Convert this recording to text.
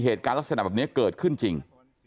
เหตุการณ์ลักษณะแบบนี้เกิดขึ้นจริง